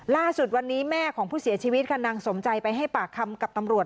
ล่าสุดวันนี้แม่ของผู้เสียชีวิตค่ะนางสมใจไปให้ปากคำกับตำรวจ